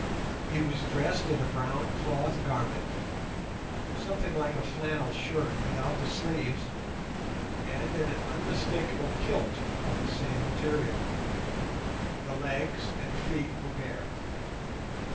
He was dressed in a brown cloth garment, something like a flannel shirt without the sleeves, and in an unmistakable kilt of the same material. The legs and feet were bare.